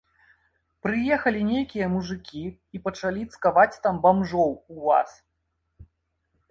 Прыехалі нейкія мужыкі і пачалі цкаваць там бамжоў у вас.